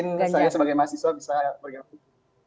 saya sebagai mahasiswa bisa bergabung